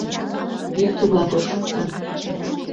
Йӱк тугак ок шокто.